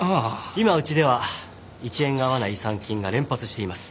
今うちでは１円が合わない違算金が連発しています。